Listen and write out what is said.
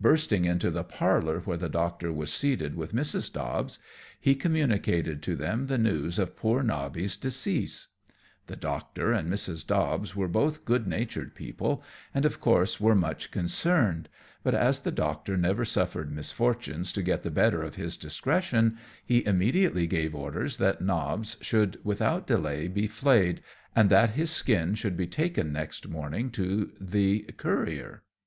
Bursting into the parlour, where the Doctor was seated with Mrs. Dobbs, he communicated to them the news of poor Nobby's decease. The Doctor and Mrs. Dobbs were both good natured people, and of course were much concerned; but as the Doctor never suffered misfortunes to get the better of his discretion, he immediately gave orders that Nobbs should without delay be flayed, and that his skin should be taken next morning to the currier.